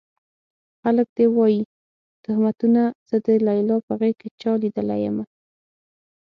خلک دې وايي تُهمتونه زه د ليلا په غېږ کې چا ليدلی يمه